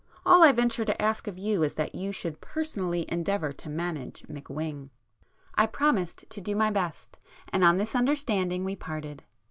All I venture to ask of you is that you should personally endeavour to manage McWhing!" I promised to do my best, and on this understanding we parted.